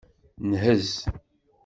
Nhez.